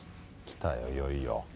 きたよいよいよ。